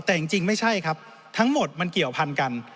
แต่จริงไม่ใช่ครับทั้งหมดมันเกี่ยวพันกัน